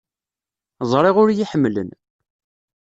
Ẓriɣ ur iyi-ḥemmlen.